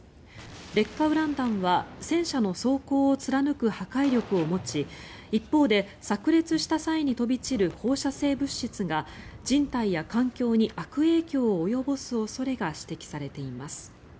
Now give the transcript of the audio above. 劣化ウラン弾は戦車の装甲を貫く破壊力を持ち一方で、さく裂した際に飛び散る放射性物質が人体や環境に悪影響を及ぼす恐れが指摘されています。